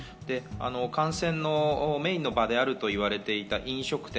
感染のメインの場であると言われていた飲食店。